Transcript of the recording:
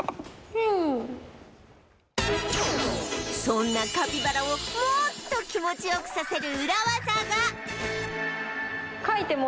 そんなカピバラをもっと気持ち良くさせるウラ技が